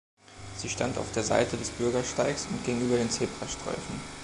Sie stand auf der Seite des Bürgersteigs und ging über den Zebrastreifen